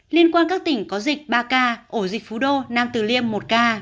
liên quan các tỉnh có dịch ba ca ổ dịch phú đô nam tử liêm một ca